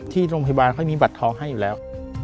ที่โรงพยาบาลค่อยมีบัตรทองให้อยู่แล้ว